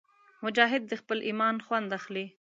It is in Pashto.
مجاهد د خپل ایمان خوند اخلي.